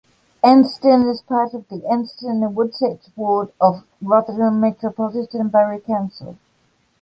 Anston is part of the Anston and Woodsetts ward of Rotherham Metropolitan Borough Council.